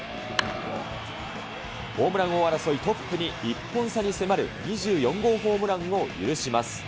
ホームラン王争いトップに１本差に迫る、２４号ホームランを許します。